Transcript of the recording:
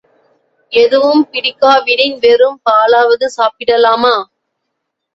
எதுவும் பிடிக்காவிடின் வெறும் பாலாவது சாப்பிடலாமா?